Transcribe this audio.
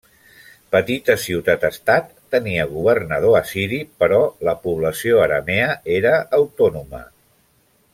Petita ciutat-estat, tenia governador assiri però la població aramea era autònoma.